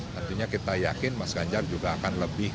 tentunya kita yakin mas ganjar juga akan lebih